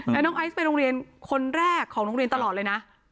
แล้วน้องไอซ์ไปโรงเรียนคนแรกของโรงเรียนตลอดเลยนะ